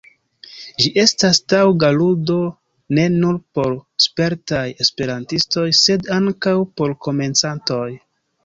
Ĝi estas taŭga ludo ne nur por spertaj esperantistoj, sed ankaŭ por komencantoj.